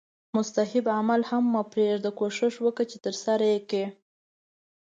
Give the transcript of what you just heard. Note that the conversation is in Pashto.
مستحب عمل هم مه پریږده کوښښ وکړه چې ترسره یې کړې